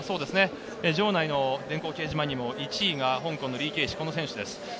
場内の電光掲示板にも１位香港この選手です。